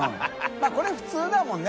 泙これ普通だもんね？